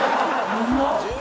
うまっ！